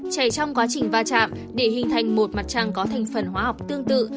chảy trong quá trình va chạm để hình thành một mặt trăng có thành phần hóa học tương tự